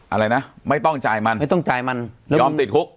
อะไรนะไม่ต้องจ่ายมันไม่ต้องจ่ายมันยอมติดคุก